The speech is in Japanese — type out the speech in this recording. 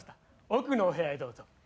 奥のお部屋へどうぞ。